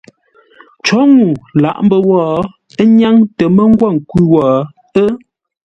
Cǒ ŋuu lǎʼ mbə́ wó, ə́ nyáŋ tə mə́ ngwô nkwʉ́ wó, ə́.